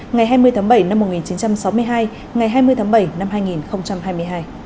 ngày hai mươi tháng bảy năm một nghìn chín trăm sáu mươi hai ngày hai mươi tháng bảy năm hai nghìn hai mươi hai